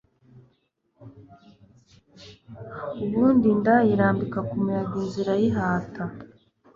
ubundi inda ayirambika kumuyaga inzira ayihata